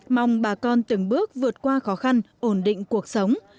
mong bà con từng bước vượt qua khó khăn ổn định cuộc sống